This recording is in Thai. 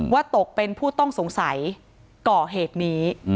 ว่าตกเป็นผู้ต้องสงสัยก่อเหตุนี้